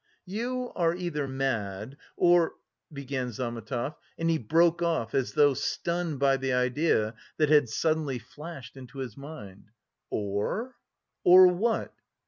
"You are either mad, or..." began Zametov, and he broke off, as though stunned by the idea that had suddenly flashed into his mind. "Or? Or what?